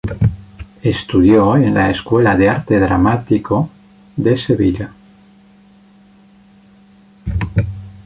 Estudió en la Escuela de Arte Dramático de Sevilla.